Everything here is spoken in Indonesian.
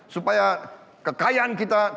supaya kekayaan kita berjaya